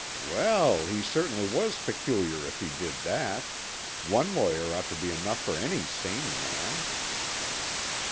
"Well, he certainly was peculiar if he did that. One lawyer ought to be enough for any sane man."